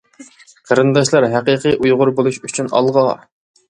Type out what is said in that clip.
قېرىنداشلار ھەقىقىي ئۇيغۇر بولۇش ئۈچۈن ئالغا!